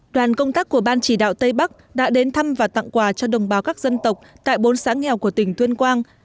đoàn công tác của ban chỉ đạo tây bắc đã đến thăm và tặng quà cho đồng bào các dân tộc tại bốn xã nghèo của tỉnh tuyên quang